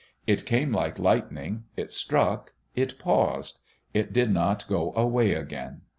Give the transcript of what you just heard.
It came like lightning, it struck, it paused. It did not go away again.